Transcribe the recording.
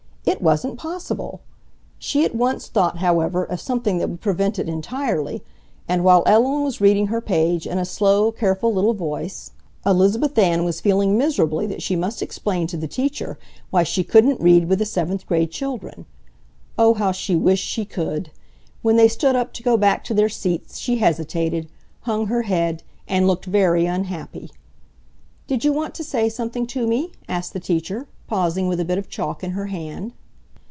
It wasn't possible! She at once thought, however, of something that would prevent it entirely, and while Ellen was reading her page in a slow, careful little voice, Elizabeth Ann was feeling miserably that she must explain to the teacher why she couldn't read with the seventh grade children. Oh, how she wished she could! When they stood up to go back to their seats she hesitated, hung her head, and looked very unhappy. "Did you want to say something to me?" asked the teacher, pausing with a bit of chalk in her hand.